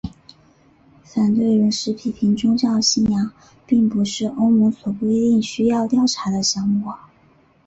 反对人士批评宗教信仰并不是欧盟所规定需要调查的项目。